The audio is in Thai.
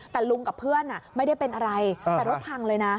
แต่ลุงกับเพื่อนไม่ได้เป็นอะไรแต่รถพังเลยนะ